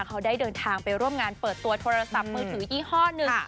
เขาได้เดินทางไปร่วมงานเปิดตัวโทรศัพท์มือถือยี่ห้อหนึ่ง